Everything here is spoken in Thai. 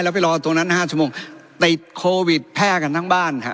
แล้วไปรอตรงนั้น๕ชั่วโมงติดโควิดแพร่กันทั้งบ้านฮะ